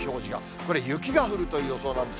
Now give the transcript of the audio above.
これ、雪が降るという予想なんです。